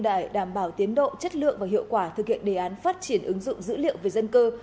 để đảm bảo tiến độ chất lượng và hiệu quả thực hiện đề án phát triển ứng dụng dữ liệu về dân cư